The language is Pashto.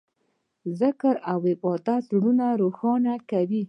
ذکر او عبادت زړونه روښانه کوي.